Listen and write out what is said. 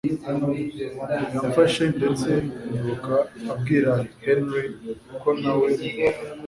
yamfashe ndetse nibuka abwira Henry ko nawe